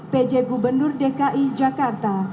pj gubernur dki jakarta